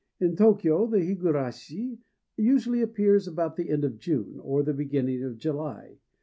In Tôkyô the higurashi usually appears about the end of June, or the beginning of July.